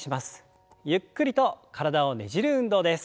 ゆっくりと体をねじる運動です。